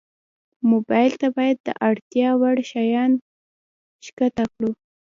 موبایل ته باید د اړتیا وړ شیان ښکته کړو.